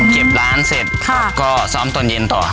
เก็บร้านเสร็จก็ซ้อมตอนเย็นต่อ